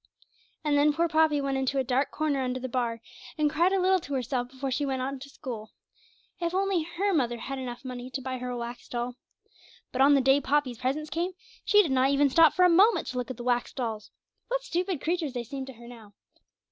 And then poor Poppy went into a dark corner under the Bar, and cried a little to herself before she went on to school. If only her mother had money enough to buy her a wax doll! But on the day Poppy's presents came she did not even stop for a moment to look at the wax dolls. What stupid creatures they seemed to her now!